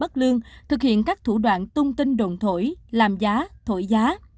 thực hiện các thủ đoạn tung tinh đồn thổi làm giá thổi giá